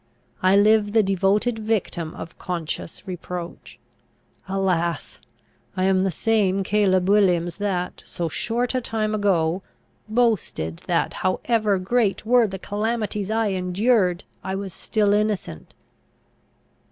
I live the devoted victim of conscious reproach. Alas! I am the same Caleb Williams that, so short a time ago, boasted that, however great were the calamities I endured, I was still innocent.